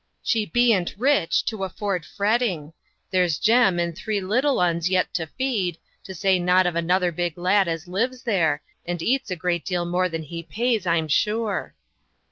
"She bean't rich, to afford fretting. There's Jem and three little 'uns yet to feed, to say nought of another big lad as lives there, and eats a deal more than he pays, I'm sure."